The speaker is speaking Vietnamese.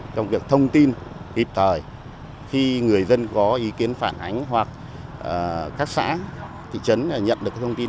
trong việc thông tin kịp thời khi người dân có ý kiến phản ánh hoặc các xã thị trấn nhận được thông tin